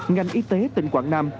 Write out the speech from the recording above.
ngành y tế tỉnh quảng nam